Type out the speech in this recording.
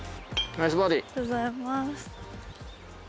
ありがとうございます。